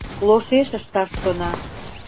Лошеш ышташ шона.